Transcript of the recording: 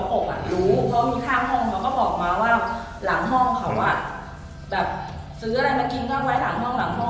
เพราะรู้ข้างห้องเขาก็บอกมาว่าหลังห้องเขาอ่ะแบบซื้ออะไรมากินตั้งไว้หลังห้องหลังห้อง